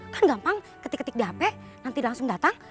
kan gampang ketik ketik di hape nanti langsung datang